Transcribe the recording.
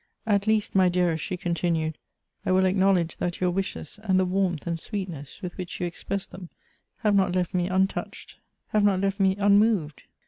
At least, my dearest," she continued, " I will acknowledge that your wishes, and the wunnth and sweetness with which you express them, have not left me untouched, have not left me unmoved.